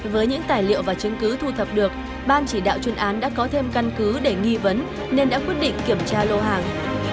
với những tài liệu và chứng cứ thu thập được ban chỉ đạo chuyên án đã có thêm căn cứ để nghi vấn nên đã quyết định kiểm tra lô hàng